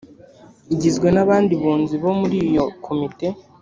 igizwe n abandi bunzi bo muri iyo komite